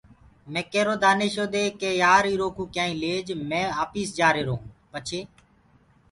مي ڪيرو دآنيشو دي ڪي يآر ايٚرو ڪيآئونٚ ليج مي آپيس جآهرونٚ پڇي